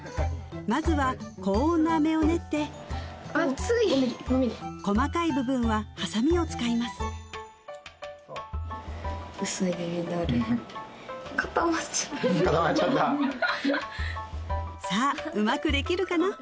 まずは高温の飴を練って細かい部分ははさみを使いますさあうまくできるかな？